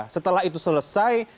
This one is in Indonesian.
setelah itu selesai